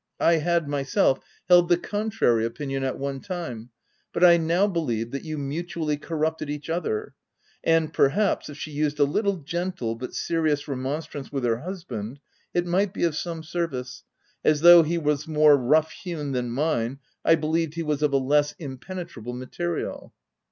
I had, myself, held the contrary opinion at one time, but I now believed that you mutu ally corrupted each other ; and, perhaps, if she used a little gentle, but serious remonstrance with her husband, it might be of some service, as though he was more rough hewn than mine, I helieved he was of a less impenetrable material."